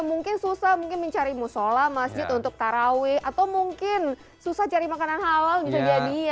mungkin susah mencari musola masjid untuk taraweeh atau mungkin susah cari makanan halal bisa jadi ya kan